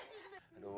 cuma mendingin doang